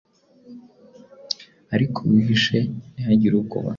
Ariko wihishe, ntihagire ukubona."